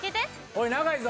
おい長いぞ。